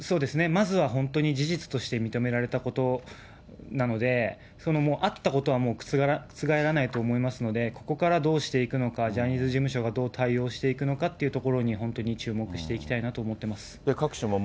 まずは本当に事実として認められたことなので、あったことは覆らないと思いますので、ここからどうしていくのか、ジャニーズ事務所がどう対応していくのかっていうところに本当に注目していきたいなと思ってます。